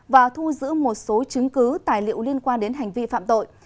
và thu giữ một số chứng cứ tài liệu liên quan đến hành vi phạm tội